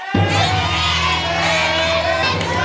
เล่นเล่นเล่นเล่นครับ